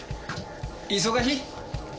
忙しい？